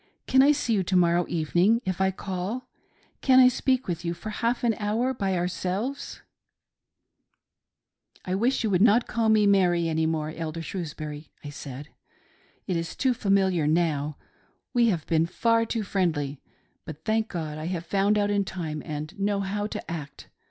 Can I see you, to morrow evening, if I call t Can I speak with you for half an hour by ourselves .•"'" I wish you would not call me ' Mary,' any more. Elder Shrewsbury," I said ;" it is too familiar now. We have been far too friendly, but, thank God, I have found out in time, and know how to act.